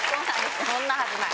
そんなはずない！